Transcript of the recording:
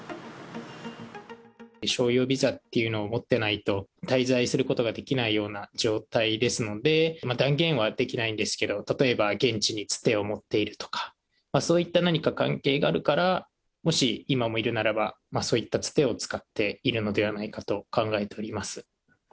商用ビザっていうのを持ってないと滞在することができないような状態ですので、断言はできないんですけど、例えば現地につてを持っているとか、そういった何か関係があるから、もし今もいるならば、そういったつてを使っているのではないかと考えております。